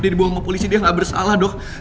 dia dibawa sama polisi dia gak bersalah dok